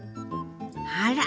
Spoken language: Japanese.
あら！